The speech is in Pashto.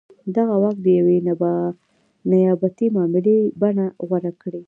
دغه واک د یوې نیابتي معاملې بڼه غوره کړې.